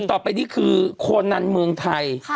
ต่อไปนี่คือโคนันเมืองไทย